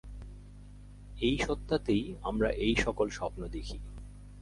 এই সত্তাতেই আমরা এই-সকল স্বপ্ন দেখি।